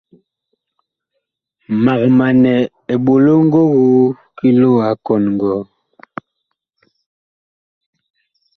Mag manɛ eɓolo ngogoo ki loo a kɔn ngɔɔ.